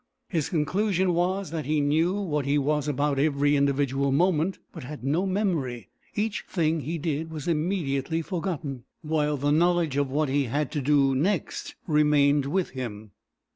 His conclusion was, that he knew what he was about every individual moment, but had no memory; each thing he did was immediately forgotten, while the knowledge of what he had to do next remained with him.